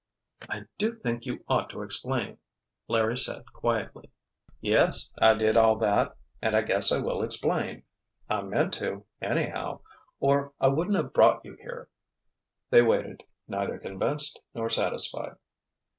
"I do think you ought to explain!" Larry said quietly. "Yes, I did all that—and I guess I will explain. I meant to, anyhow—or I wouldn't have brought you here." They waited, neither convinced nor satisfied.